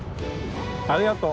ありがとう。